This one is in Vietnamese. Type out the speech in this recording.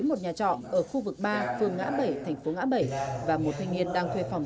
một nhà trọ ở khu vực ba phương ngã bảy thành phố ngã bảy và một thanh niên đang thuê phòng